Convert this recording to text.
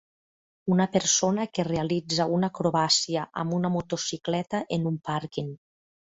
Una persona que realitza una acrobàcia amb una motocicleta en un pàrquing